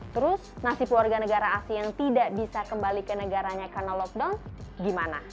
terus nasib warga negara asing yang tidak bisa kembali ke negaranya karena lockdown gimana